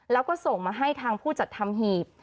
แล้วก็ส่งมาให้ทางผู้จัดทำหีบ